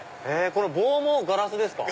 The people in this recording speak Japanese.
この棒もガラスですか？